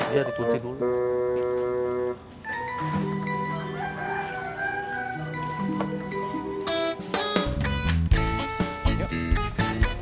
iya dikunci dulu